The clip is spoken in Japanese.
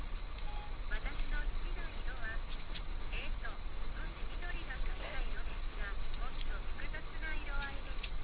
私の好きな色は少し緑がかった色ですが少し複雑な色合いです。